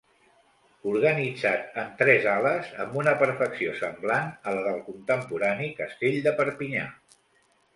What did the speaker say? Organitzat en tres ales, amb una perfecció semblant a la del contemporani castell de Perpinyà.